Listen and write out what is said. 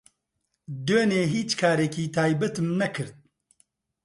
دوێنێ هیچ کارێکی تایبەتم نەکرد.